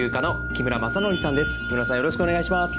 木村さんよろしくお願いします。